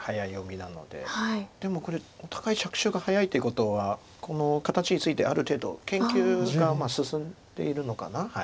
でもこれお互い着手が早いということはこの形についてある程度研究が進んでいるのかな。